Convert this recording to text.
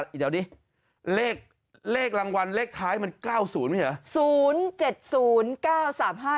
อี๋เดี๋ยวดิเลขเลขรางวัลเลขท้ายมัน๙๐มั้ยเหรอ